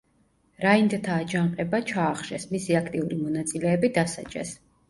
რაინდთა აჯანყება ჩაახშეს, მისი აქტიური მონაწილეები დასაჯეს.